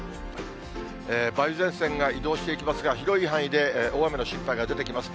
梅雨前線が移動していきますが、広い範囲で大雨の心配が出てきます。